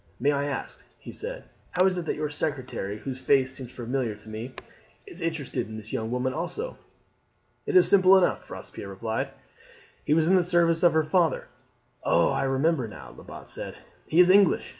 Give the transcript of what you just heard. May I ask," he said, "how it is that your secretary, whose face seems familiar to me, is interested in this young woman also?" "It is simple enough," Robespierre replied. "He was in the service of her father." "Oh, I remember now," Lebat said. "He is English.